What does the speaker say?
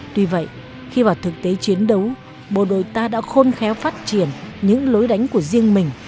tuy vậy khi vào thực tế chiến đấu bộ đội ta đã khôn khéo phát triển những lối đánh của riêng mình